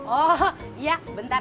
oh iya bentar ya